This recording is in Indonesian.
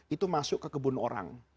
itu masuk ke kebun orang